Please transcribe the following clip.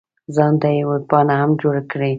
ځان ته یې ویبپاڼه هم جوړه کړې.